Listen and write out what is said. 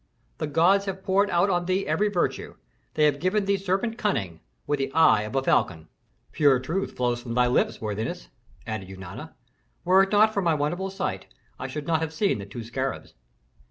The gods have poured out on thee every virtue: they have given thee serpent cunning, with the eye of a falcon." "Pure truth flows from thy lips, worthiness," added Eunana. "Were it not for my wonderful sight, I should not have seen the two scarabs."